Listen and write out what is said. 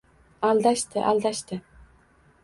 Aldashdi! Aldashdi!